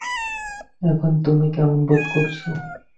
এখন তুমি কেমন বোধ করছ?